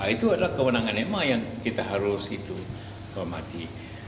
itu adalah kewenangan ma yang kita harus hormati